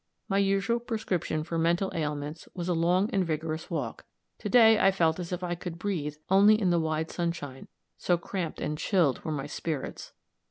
My usual prescription for mental ailments was a long and vigorous walk; to day I felt as if I could breathe only in the wide sunshine, so cramped and chilled were my spirits.